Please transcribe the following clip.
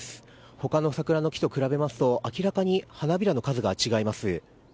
他の桜の木と比べますと明らかに花びらの数が違います。